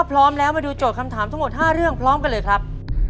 พร้อมแล้วมาดูโจทย์คำถามทั้งหมด๕เรื่องพร้อมกันเลยครับ